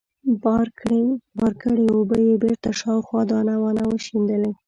بار کړې اوبه يې بېرته شاوخوا دانه وانه وشيندلې.